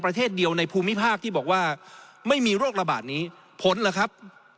ประเทศเดียวในภูมิภาคที่บอกว่าไม่มีโรคระบาดนี้ผลเหรอครับ